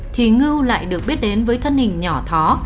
thì ngư lại được biết đến với thân hình nhỏ thó